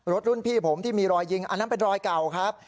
รุ่นพี่ผมที่มีรอยยิงอันนั้นเป็นรอยเก่าครับ